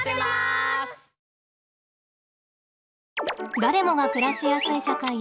誰もが暮らしやすい社会へ。